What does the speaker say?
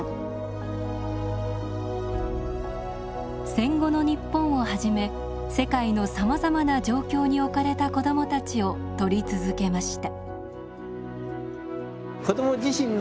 戦後の日本をはじめ世界のさまざまな状況に置かれた子どもたちを撮り続けました。